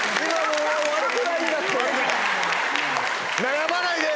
悩まないで！